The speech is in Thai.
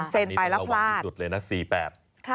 ค่ะตอนนี้ต้องระวังที่สุดเลยนะ๔๘เซ็นต์ไปแล้วพลาด